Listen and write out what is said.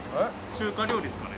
中華料理ですかね。